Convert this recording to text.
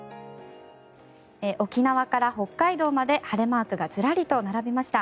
沖縄から北海道まで晴れマークがずらりと並びました。